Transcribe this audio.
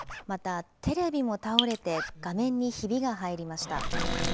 また、テレビも倒れて、画面にひびが入りました。